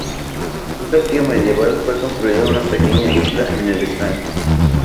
Un castillo medieval fue construido en una pequeña isla en el estanque.